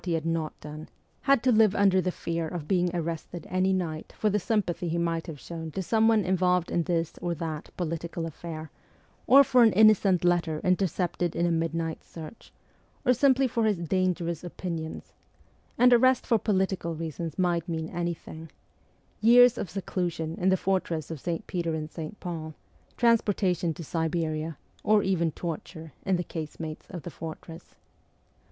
II. D 34 MEMOIRS OF A REVOLUTIONIST had not done, had to live under the fear of being arrested any night for the sympathy he might have shown to some one involved in this or that political affair, or for an innocent letter intercepted in a midnight search, or simply for his ' dangerous ' opinions ; and arrest for political reasons might mean anything years of seclu sion in the fortress of St. Peter and St. Paul, transportation to Siberia, or even torture in the casemates of the fortress.